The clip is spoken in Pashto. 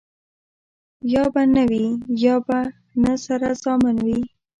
يا به نه وي ،يا به نه سره زامن وي.